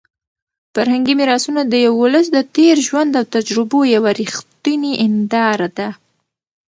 فرهنګي میراثونه د یو ولس د تېر ژوند او تجربو یوه رښتونې هنداره ده.